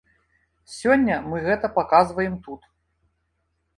Сёння мы гэта паказваем тут.